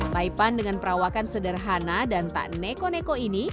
taipan dengan perawakan sederhana dan tak neko neko ini